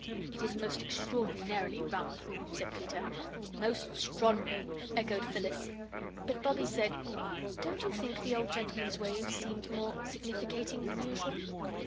"It is most extraordinarily rum!" said Peter. "Most stronery!" echoed Phyllis. But Bobbie said, "Don't you think the old gentleman's waves seemed more significating than usual?"